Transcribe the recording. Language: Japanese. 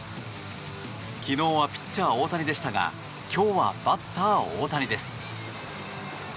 昨日はピッチャー大谷でしたが今日はバッター大谷です。